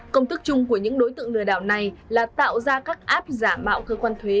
công tức chung của những đối tượng lừa đảo này là tạo ra các app giả mạo cơ quan thuế